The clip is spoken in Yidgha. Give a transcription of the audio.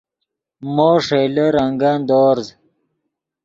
مو ݰئیلے رنگن دورز